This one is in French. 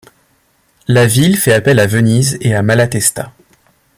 La ville fait appel à Venise et à Malatesta.